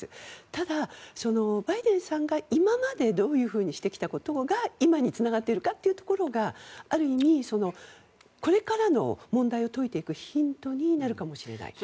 ただ、バイデンさんが、今までどういうふうにしてきたことが今につながっているかというところがある意味これからの問題を解いていくヒントになるかもしれない。